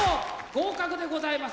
合格でございます。